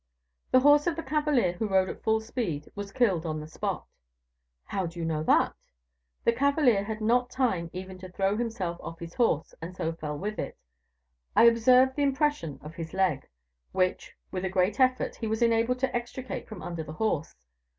"The horse of the cavalier who rode at full speed was killed on the spot." "How do you know that?" "The cavalier had not time even to throw himself off his horse, and so fell with it. I observed the impression of his leg, which, with a great effort, he was enabled to extricate from under the horse.